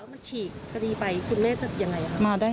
มาได้อย่างไร